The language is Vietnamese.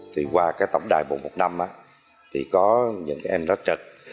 thì qua cái tổng đài một trăm một mươi năm á thì có những em nó trịch